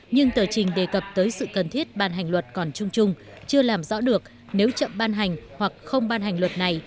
nhưng tờ trình đề cập tới sự cần thiết ban hành luật còn chung chung chưa làm rõ được nếu chậm ban hành hoặc không ban hành luật này